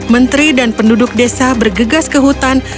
menteri dan penduduk desa bergegas ke hutan